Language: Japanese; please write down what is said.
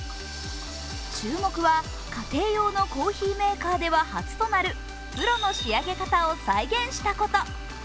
注目は家庭用のコーヒーメーカーでは初となるプロの仕上げ方を再現したこと。